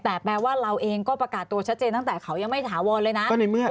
แต่แปลว่าเราเองก็ประกาศตัวชัดเจนตั้งแต่เขายังไม่ถาวรเลยนะ